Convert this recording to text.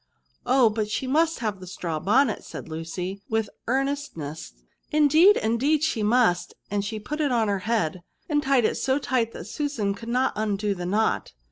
" Oh ! but she must have the straw bonnet," said Lucy, with earnestness, " indeed, indeed, she must," and she put it on her head, and tied it so tight that Susan could not undo the knot.